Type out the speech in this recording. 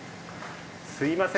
すいません。